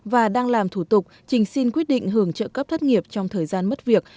và đang làm thủ tục trình xin quyết định hưởng trợ cấp thất nghiệp trong thời gian mất việc